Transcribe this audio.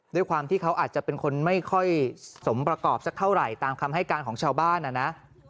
ด้วยความที่เขาอาจจะเป็นคนไม่ค่อยสมประกอบสักเท่าไหร่ตามคำให้การของชาวบ้านนะ